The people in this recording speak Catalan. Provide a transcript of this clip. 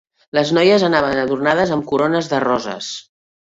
Les noies anaven adornades amb corones de roses.